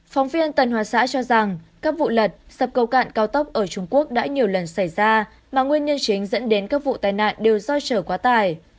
phóng viên tần hòa xã cho rằng các vụ lật sập cầu cạn cao tốc ở trung quốc đã nhiều lần xảy ra mà nguyên nhân chính dẫn đến các vụ tai nạn đều do trở quá tài